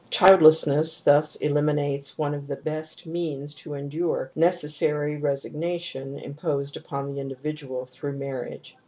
^ Childlessness thus eliminates one of the best means to endure the necessary resignation imposed upon the individual through marriage.